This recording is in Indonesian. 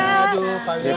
aduh pak amir